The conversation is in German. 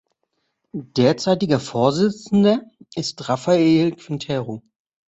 Derzeitiger Vorsitzender ist Rafael Quintero.